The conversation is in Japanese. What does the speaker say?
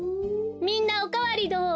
みんなおかわりどう？